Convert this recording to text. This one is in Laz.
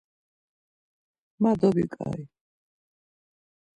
Ma dobiǩai.